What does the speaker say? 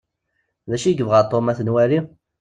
D acu i yebɣa Tom ad t-nwali?